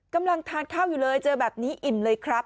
กำลังทานข้าวอยู่เลยเจอแบบนี้อิ่มเลยครับ